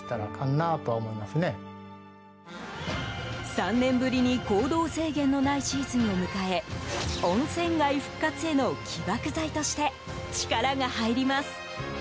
３年ぶりに行動制限のないシーズンを迎え温泉街復活への起爆剤として力が入ります。